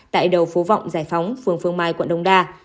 tại đầu phố vọng giải phóng phường phương mai quận đông đa